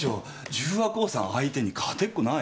十和興産相手に勝てっこない。